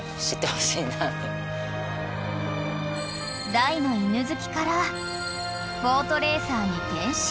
［大の犬好きからボートレーサーに転身］